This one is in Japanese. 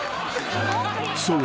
［そう。